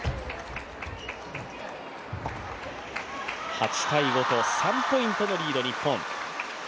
８−５と、３ポイントのリード、日本。